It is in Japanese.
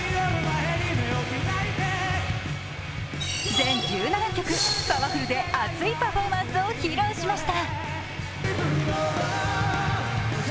全１７曲、パワフルで熱いパフォーマンスを披露しました。